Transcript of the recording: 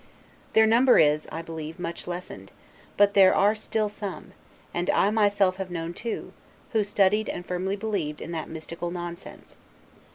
Their number is, I believe, much lessened, but there are still some; and I myself have known two; who studied and firmly believed in that mystical nonsense.